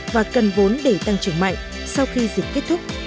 và cần vốn để tăng trưởng mạnh sau khi dịch kết thúc